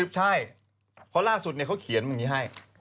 ใช่เพราะล่าสุดเขาเขียนอย่างนี้ให้